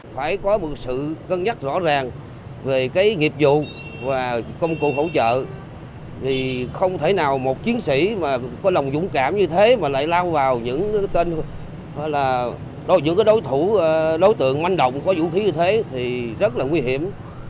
các nhà sĩ đều có sự cân nhắc rõ ràng về nghiệp vụ và công cụ hỗ trợ không thể nào một chiến sĩ có lòng dũng cảm như thế mà lại lao vào những đối tượng manh động có vũ khí như thế thì rất là nguy hiểm